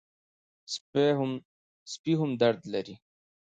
سپي هم درد لري.